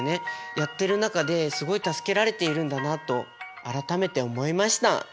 やってる中ですごい助けられているんだなと改めて思いました。